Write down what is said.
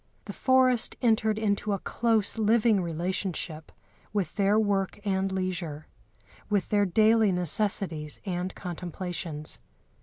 The forest entered into a close living relationship with their work and leisure, with their daily necessities and contemplations.